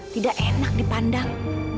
tidak enak dipandang